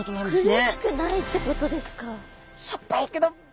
苦しくないってことですか？